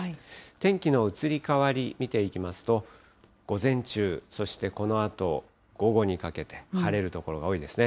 天気の移り変わり、見ていきますと、午前中、そしてこのあと午後にかけて晴れる所が多いですね。